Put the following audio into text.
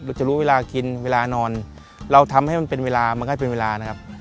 เราจะรู้เวลากินเวลานอนเราทำให้มันเป็นเวลามันก็ให้เป็นเวลานะครับ